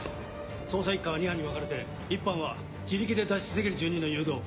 捜査一課は２班に分かれて１班は自力で脱出できる住人の誘導を。